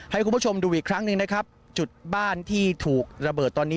ให้คุณผู้ชมดูอีกครั้งหนึ่งนะครับจุดบ้านที่ถูกระเบิดตอนนี้